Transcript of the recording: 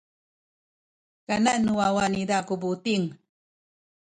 kanan nu wawa niza ku buting.